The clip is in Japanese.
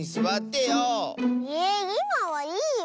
いまはいいよ。